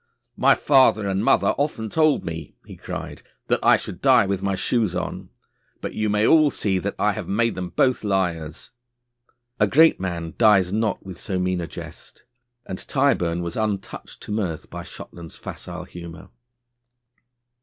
'My father and mother often told me,' he cried, 'that I should die with my shoes on; but you may all see that I have made them both liars.' A great man dies not with so mean a jest, and Tyburn was untouched to mirth by Shotland's facile humour.